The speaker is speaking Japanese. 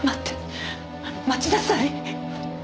待ちなさい。